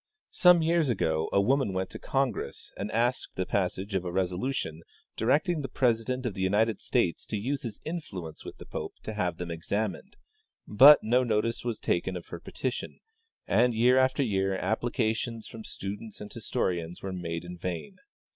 Some years ago a woman went to Congress and asked the pas sage of a resolution directing the President of the United States to use his influence with the pope to have them examined, but no notice was taken of her petition, and yesir after year applica tions from students and historians were made in vain.